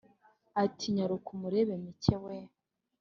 ati"nyaruka umurebe mike we!"